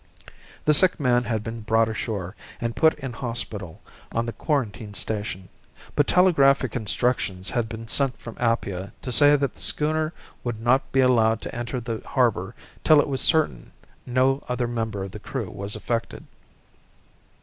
The sick man had been brought ashore and put in hospital on the quarantine station, but telegraphic instructions had been sent from Apia to say that the schooner would not be allowed to enter the harbour till it was certain no other member of the crew was affected.